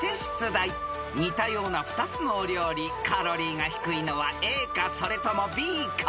［似たような２つのお料理カロリーが低いのはＡかそれともＢか］